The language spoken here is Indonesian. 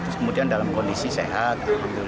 kemudian dalam kondisi sehat